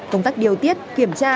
công tác điều tiết kiểm tra